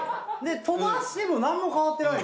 飛ばしても何も変わってない。